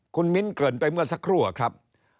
คุณมิ้นเกินไปเมื่อสักครู่ครับ